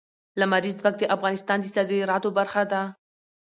لمریز ځواک د افغانستان د صادراتو برخه ده.